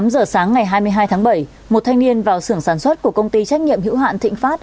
tám giờ sáng ngày hai mươi hai tháng bảy một thanh niên vào sưởng sản xuất của công ty trách nhiệm hữu hạn thịnh phát